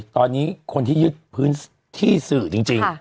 ตอนนี้คนที่ยึดพื้นที่สื่อจริง